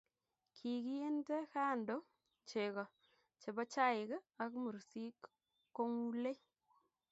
Kikiinte kando cheko che bo chaik ak mursik kong'ulei.